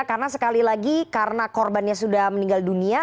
karena sekali lagi karena korbannya sudah meninggal dunia